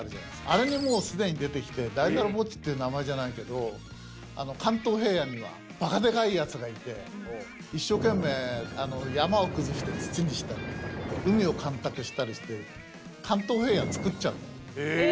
あれにもうすでに出てきてだいだらぼっちっていう名前じゃないけど関東平野にはバカでかいやつがいて一生懸命山を崩して土にしたり海を干拓したりして関東平野つくっちゃう。